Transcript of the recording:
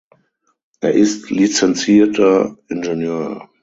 Er ist lizenzierter Ingenieur.